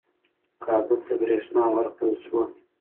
کابل ته برېښنا ورکړل شوه.